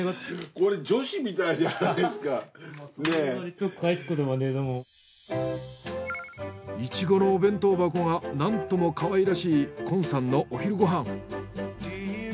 これいちごのお弁当箱が何ともかわいらしい近さんのお昼ご飯。